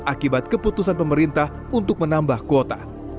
akibat keputusan pemerintah untuk menambah kuota